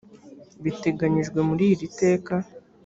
biteganyijwe muri iri teka